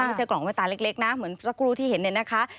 ไม่ใช่กล่องแว่นตาเล็กนะเหมือนสักครู่ที่เห็นเนี่ยนะคะ